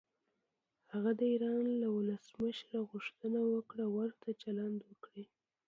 هغه د ایران له ولسمشر غوښتنه وکړه ورته چلند وکړي.